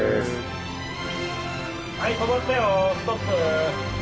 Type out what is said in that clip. はい止まったよストップ。